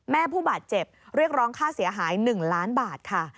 ผู้บาดเจ็บเรียกร้องค่าเสียหาย๑ล้านบาทค่ะ